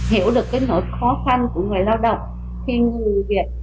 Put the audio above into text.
hiểu được cái nỗi khó khăn của người lao động khi người việt